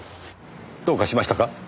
どうかしましたか？